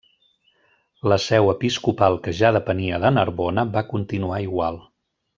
La seu episcopal que ja depenia de Narbona, va continuar igual.